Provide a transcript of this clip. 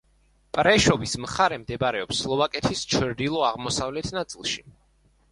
პრეშოვის მხარე მდებარეობს სლოვაკეთის ჩრდილო-აღმოსავლეთ ნაწილში.